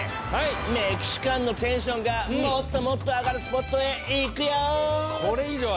メキシカンのテンションがもっともっと上がるスポットへ行くよ！